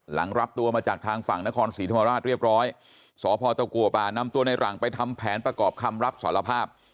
รับตัวมาจากทางฝั่งนครศรีธรรมราชเรียบร้อยสพตะกัวป่านำตัวในหลังไปทำแผนประกอบคำรับสารภาพ